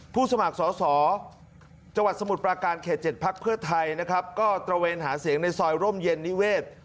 สมัครสอสอจังหวัดสมุทรปราการเขต๗พักเพื่อไทยนะครับก็ตระเวนหาเสียงในซอยร่มเย็นนิเวศ